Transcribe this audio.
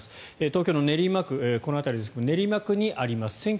東京の練馬区、この辺りですが練馬区にあります。